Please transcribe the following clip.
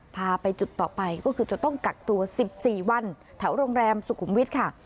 พาไปจุดต่อไปก็คือจะต้องกักตัว๑๔วันแถวโรงแรมสุขุมวิทย์ค่ะ